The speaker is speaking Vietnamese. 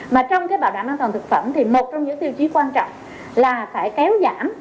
mà trong cái bảo đảm an toàn thực phẩm thì một trong những tiêu chí quan trọng là phải kéo giảm